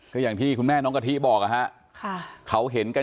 ก็อย่างที่คุณแม่น้องกะทิบอกว่าฮะ